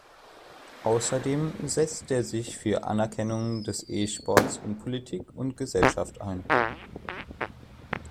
Außerdem setzt er sich für Anerkennung des E-Sports in Politik und Gesellschaft ein.